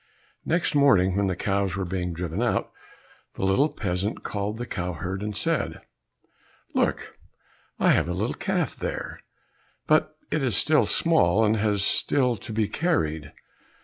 Next morning when the cows were being driven out, the little peasant called the cow herd and said, "Look, I have a little calf there, but it is still small and has still to be carried."